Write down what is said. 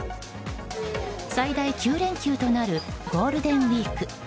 最大９連休となるゴールデンウィーク。